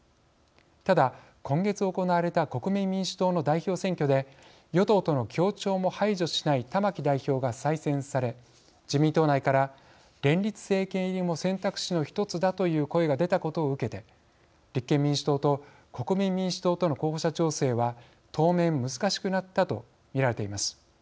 ただ、今月行われた国民民主党の代表選挙で与党との協調も排除しない玉木代表が再選され自民党内から連立政権入りも選択肢の１つだという声が出たことを受けて立憲民主党と国民民主党との候補者調整は、当面難しくなったと見られています。